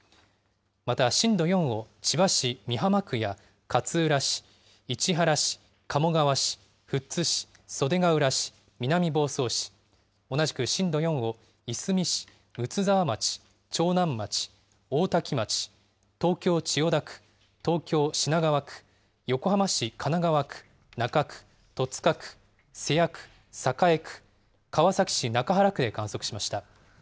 また、震度４を千葉市美浜区や勝浦市、市原市、鴨川市、富津市、袖ケ浦市、南房総市、同じく震度４をいすみ市、睦沢町、長南町、大多喜町、東京・千代田区、東京・品川区、横浜市神奈川区、中区、戸塚区、瀬谷区、栄区、川崎市中原区で観測しました。